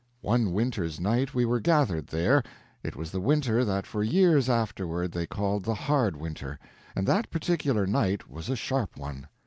One winter's night we were gathered there—it was the winter that for years afterward they called the hard winter—and that particular night was a sharp one.